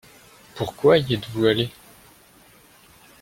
Pourquoi y êtes-vous allé ?